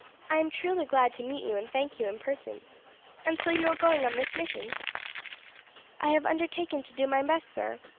I am truly glad to meet you and thank you in person. And so you are going on this mission?" "I have undertaken to do my best, sir.